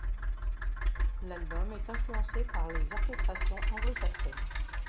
L'album est influencé par les orchestrations anglo-saxonnes.